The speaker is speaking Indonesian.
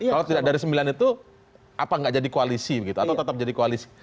kalau tidak dari sembilan itu apa nggak jadi koalisi begitu atau tetap jadi koalisi